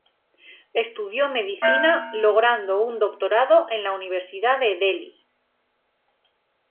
Estudió medicina logrando un doctorado en la Universidad de Delhi.